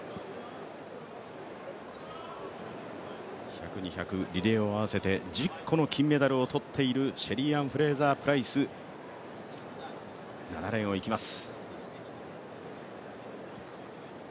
１００、２００、リレーを合わせて１０個の金メダルを取っているシェリーアン・フレイザープライス７レーンをいきます。